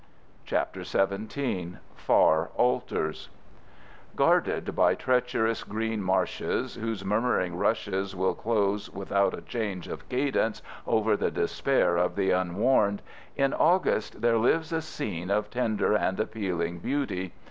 CHAPTER XVII. FAR ALTARS Guarded by treacherous green marshes whose murmuring rushes will close without a change of cadence over the despair of the unwarned, in August there lives a scene of tender and appealing beauty.